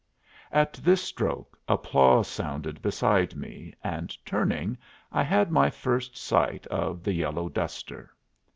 At this stroke applause sounded beside me, and, turning, I had my first sight of the yellow duster.